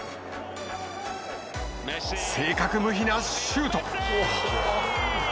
正確無比なシュート。